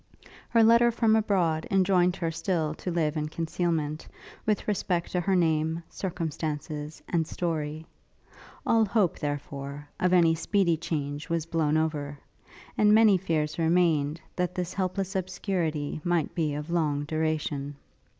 Her letter from abroad enjoined her still to live in concealment, with respect to her name, circumstances, and story: all hope, therefore, of any speedy change was blown over; and many fears remained, that this helpless obscurity might be of long duration.